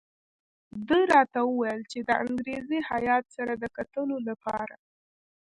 ده راته وویل چې د انګریزي هیات سره د کتلو لپاره.